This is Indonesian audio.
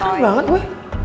seru banget gue